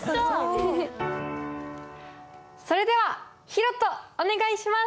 それではひろとお願いします！